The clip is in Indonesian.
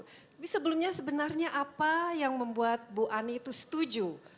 tapi sebelumnya sebenarnya apa yang membuat bu ani itu setuju